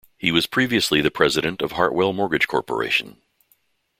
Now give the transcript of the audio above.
He was previously the president of Heartwell Mortgage Corporation.